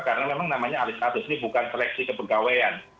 karena memang namanya alis status ini bukan seleksi kepegawaian